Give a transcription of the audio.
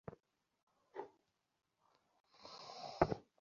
তোমাকে মাপ করবার কী আছে এলী?